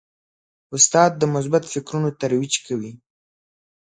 استاد د مثبت فکرونو ترویج کوي.